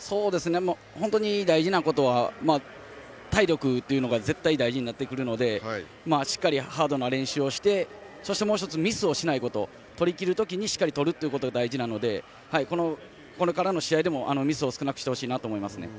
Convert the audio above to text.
本当に大事なことは体力というのが大事なのでしっかりハードな練習をしてそしてもう１つミスをしないこと取りきるときにしっかり取ることが大事なのでこれからの試合でもミスを少なくしてほしいです。